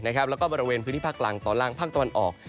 แล้วก็บริเวณพื้นที่ภาคกลางตอนล่างภาคตะวันออก